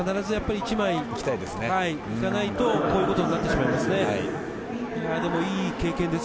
１枚行かないとこういうことになってしまいます。